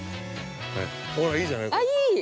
ほら、いいじゃない。